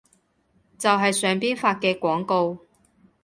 就係上邊發嘅廣告